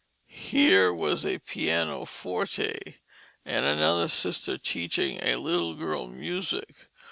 Here was a Piano forte and another sister teaching a little girl music.